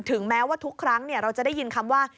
แม้ว่าทุกครั้งเราจะได้ยินคำว่า